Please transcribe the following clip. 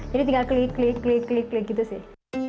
jadi tinggal klik klik klik klik gitu sih